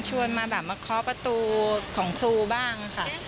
ชวนมามะเคาะประตูของครูบ้างค่ะ